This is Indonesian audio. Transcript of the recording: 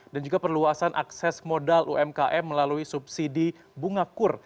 dan juga perluasan akses modal umkm melalui subsidi bunga kur